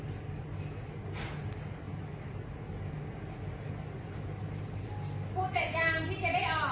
ออกเพื่อแม่นักกับข้าว